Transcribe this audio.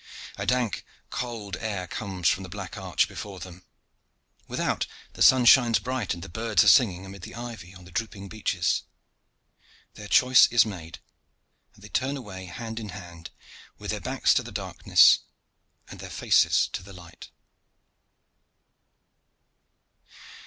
A dank, cold air comes out from the black arch before them. Without, the sun shines bright and the birds are singing amid the ivy on the drooping beeches. Their choice is made, and they turn away hand in hand, with their backs to the darkness and their faces to the light.